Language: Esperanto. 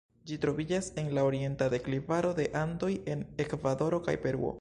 Ĝi troviĝas en la orienta deklivaro de Andoj en Ekvadoro kaj Peruo.